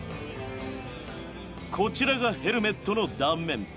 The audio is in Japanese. こちらがヘルメットの断面。